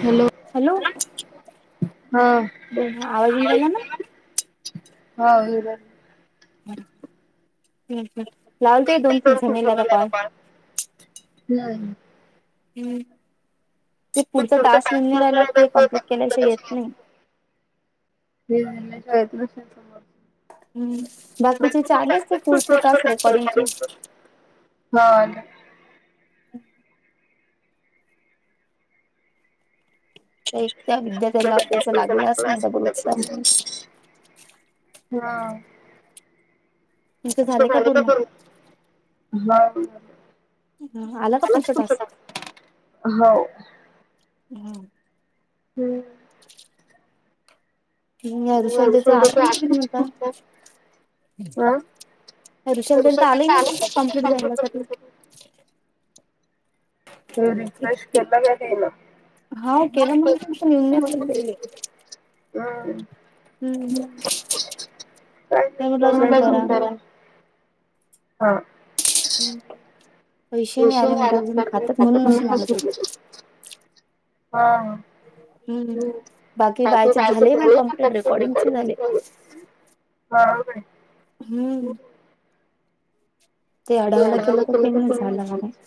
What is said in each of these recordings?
Hello हा ब हा हिर ह् ह् लावल त दोन तीन जणल का पाल नाही हम्म ते पुढचा टास्क निेमने राहिला ते कमप्लीट केल्याशि येत नाही ते ना हम् बाकी ज चालेल स फु स कास र कचे ह एक त्या विद्यार्थ्यांला पच लागलाच नाहील उत्साह हा त झाल करू. ह तु हो. हम्. हम्म. रुषलदचा आता. षलदन तर आलं कमप्लीट झाण्यासाठी. तो रिफ्रेश केला गेलाय ना. हा केला मग. हम्. हां. हम पैसे नाही आले म्हणता अजून खातात म्हणून आलं तुझ. हा हा. हम् बाकी काय झालंय ना ते रेकॉर्डच. भाऊ बहीण. हमं. ते अडवायला गेल की मग झालच.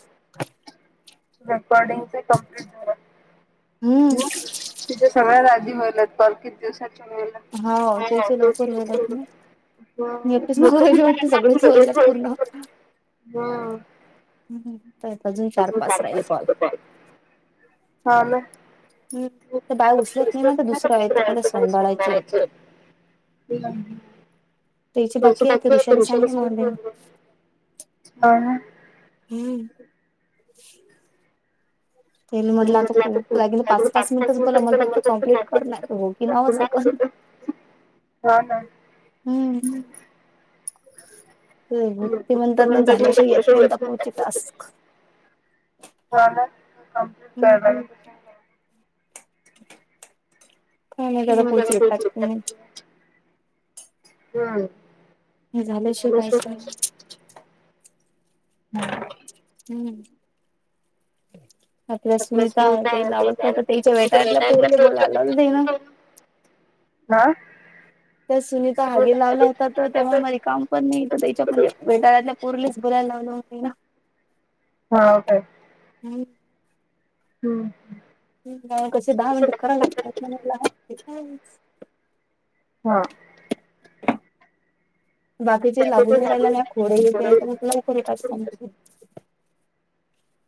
रेकॉर्डिंग कमप्लीट झालं. तिच्या सगळ्या राजी व्हायलात पर किती दिवसाच्या वेळेला. हो ते जे लवकर गेल्यात ना. मी एकटीच मागे राहिले वाटते सगळच व्हायलात पूर्ण. हम हम अजून चार पाच राहिले कॉल. हम् ते बाळ उचलत नाही ना तर दुसरं आहे तो म्हण सोंगाड्या आहेत. चैत्र. द्यायचे बाकी आहे तर ऋषाली सांगेल मला दे. हा. हम. [inaudible] त्यानी म्हटलं आता खूप लागेलं पाच पाच मिनिटच बोला मला फक्त कम्प्लीट कर नाही तर हो की नावच आहे कर. [unintelligible] हा हा हम्. ते भती म्हणतात ना झाल्याशिवाय येत नाही म्हणतात पुढचे टास्क. झालाय ते कंप्लीट कर. काय नाही दादा पोचले आहात की नाही. हम्. हे झाल्याशिवाय काहीच नाही. हां. हम. आपल्या सुनीता ते नाव तर तेच्या भेटायला पोरगे बोलायला दे ना [inaudible] [inaudible] आ? त्या सुनीता जे लावला होता तेव्हा काम पण नाही तर त्याच्यामध्ये. वेटळातल्या पोरीनच बोलायला लावली होती ना. हा, काय [unintelligible] हम. [unintelligible] [inaudible] हा. बाकीचेे लागून राहियला ना, खोडगळ [unintelligible] करत असतील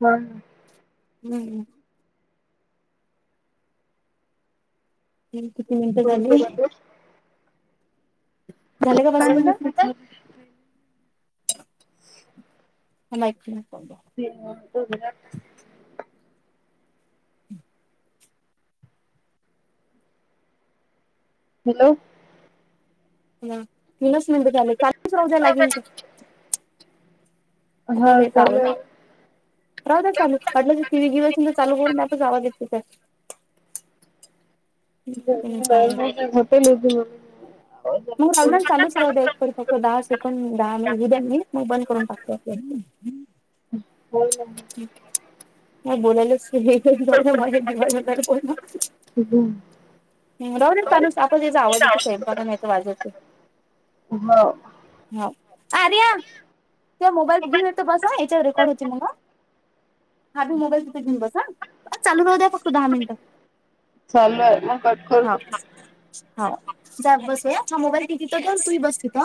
मग [unintelligible] [inaudible] किती मिनिटं झाले? [unintelligible] [inaudible] मला [unintelligible] [inaudible] [unintelligible] [inaudible] हॅलो? ह तीनच मिनिटात आले चालच राहद्या लागेल का. [unintelligible] [inaudible] राहता चालूटल्या टी विधा चालू करूनच आवाेत त त्या. [inaudible] मठ ल म. नूर हवजण चाूसर हो आहे. री फक्त दहा सेकंड दहा उद्या म मग बंद करून टाकतो आप. हो. ह बोलाल हे तघला मझा दिवा होणारणार कोण. हम्. बचालू आपण त्याचा आवाज येतो स्वंपाक नाहीच वाजवचं. हो. हो अर्या ते मोबाईल घेऊन येतो बसा याच्यावर रेकॉर्ड होते मग. हा मी मोबाईल तिथे घेन बस हा चालू राू द्या फक्त दहा मिनिटं. चालू आहे मग कट कर. [inaudible] जा बसूया हा मोबाईल टिकितत हो तूही बस तिथ.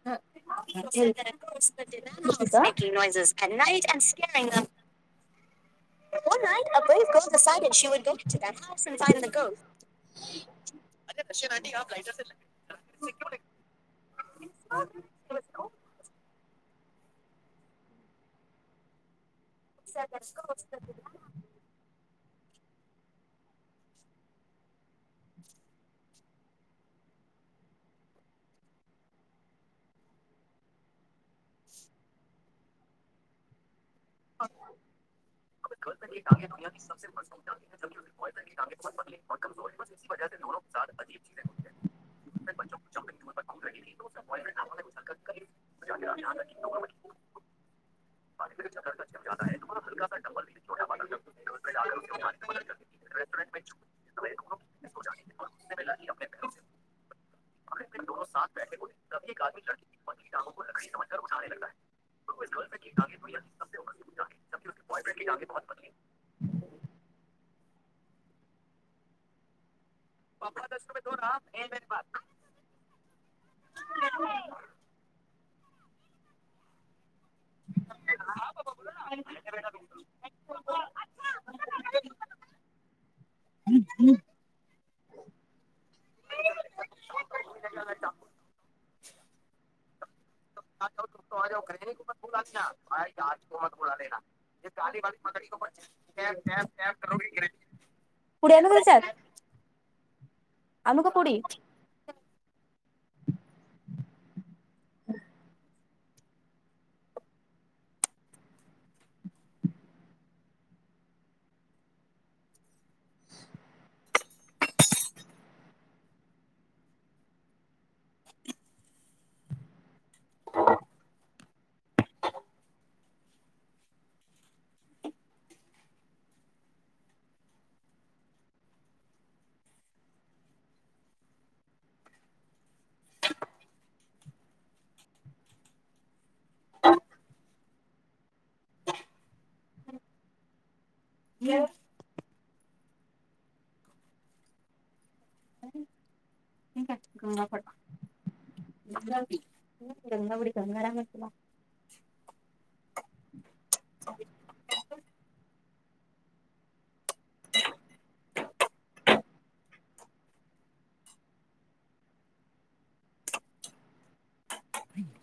[unintelligible] [unintelligible] [unintelligible] [unintelligible] [inaudible] [unintelligible] [inaudible] अ घर तर एक आगे दुनया स ब [unintelligible] [unintelligible] [unintelligible] [unintelligible] [unintelligible] [inaudible] [unintelligible] [unintelligible] [unintelligible] [unintelligible] [unintelligible] [unintelligible] [unintelligible] [inaudible] ह [inaudible] [unintelligible] [unintelligible] [inaudible] [inaudible] हम् [inaudible]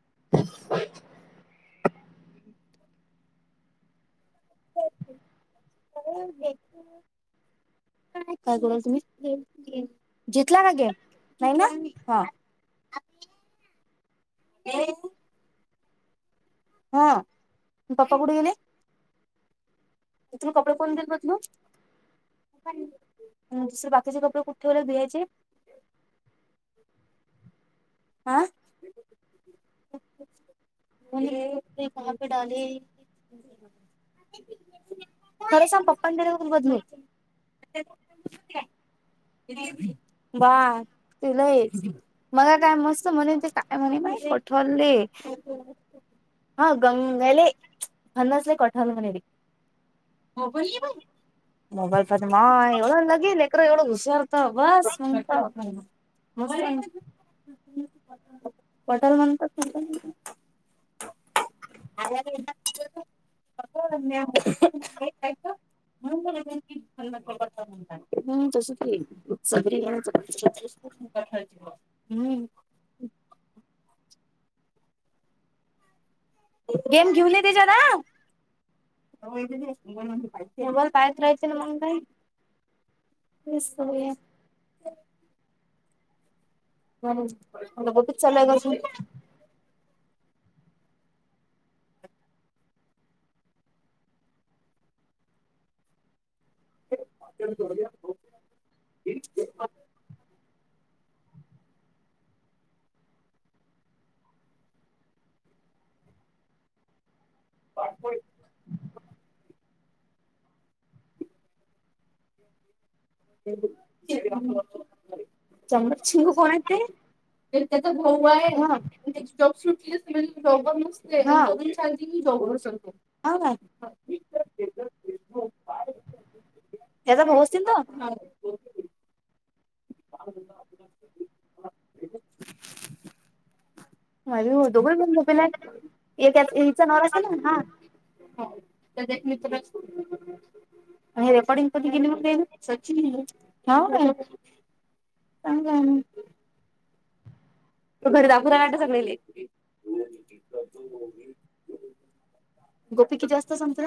[inaudible] [unintelligible] [unintelligible] नाही ना हा. हा पप्पा कुठे गेले. तुला कपडे कोण देत धुऊन. दुसर बाकीचे कपडे कुठे ठेवले धुवायचे. आं. [unintelligible] खर सांग पप्पा दिले का तु घेतले. [inaudible] बा तुला येईल मग काय [unintelligible] हा गंगाले फनासले कठल म्हणायले. [unintelligible] मोबाईलमध्ये नाय मग लगेच लेकर एवढं घुसरत बस. [unintelligible] कठल म्हणतात. [unintelligible] [inaudible] [unintelligible] [inaudible] गेम घेऊन ये त्याच्या ना. पायच राहाय ना मग काय! [unintelligible] हम् गुपीत चालू आहेका? [inaudible] [inaudible] चमच कोणाचा आहे? त्यो त्याचा भाऊ आहे. त्याची जॉब सुटली असते म्हणून जॉबवर नसतो तो सार मी जॉब वलतो त्याजा भाऊ तीत [inaudible] म हो दोघ जण झोपलेत, हिचा नवरा असेल ना हा? हो त्याजा एक मित्र आणि रेकॉर्डीिंग कधी केली त्यानं? चांगली हाय ना! तुला घरी दाखू का सगळे? गोपी किती वाजता संपत?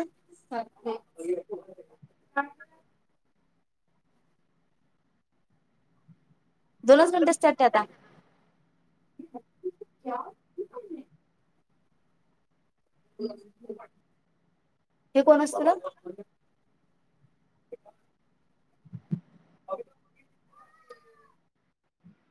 दोनच मिंट असतंय आता. हे कोण असत?